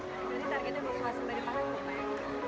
jadi targetnya bukan sebagai paham